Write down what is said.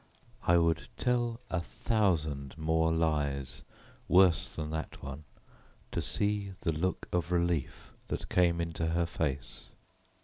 I would tell a thousand more lies worse than that one to see the look of relief that came into her face.